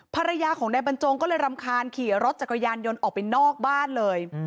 ภรรยาของนายบรรจงก็เลยรำคาญขี่รถจักรยานยนต์ออกไปนอกบ้านเลย